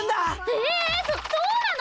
えっそそうなの！？